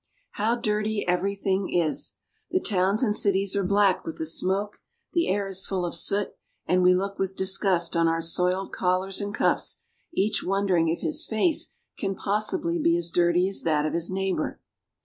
How dirty everything is ! The towns and cities are black with the smoke, the air is full of soot, and we look with disgust on our soiled collars and cuffs, each wonder ing if his face can possibly be as dirty as that of his neighbor.